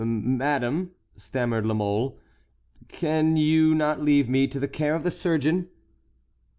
"Madame," stammered La Mole, "can you not leave me to the care of the surgeon?"